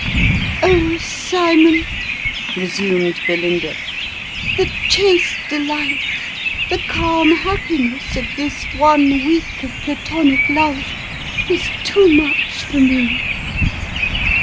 " Oh, Cymon !" resumed Belinda, " the chaste delight, the calm happiness, of this one week of Platonic love, is too much for me